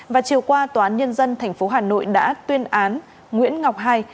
và chiều qua tòa án nhân dân tp hà nội đã tuyên án nguyễn ngọc hai